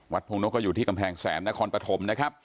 พงนกก็อยู่ที่กำแพงแสนนครปฐมนะครับ